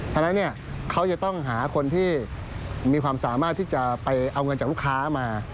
ฉะนั้นเขาจะต้องหาคนที่มีความสามารถที่จะไปเอาเงินจากลูกค้ามา